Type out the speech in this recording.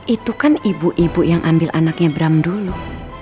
itu kan ibu ibu yang ambil anaknya bram dulu